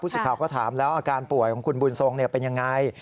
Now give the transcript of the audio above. ผู้สิทธิ์ข่าวก็ถามแล้วอาการป่วยของคุณบุญทรงเป็นอย่างไร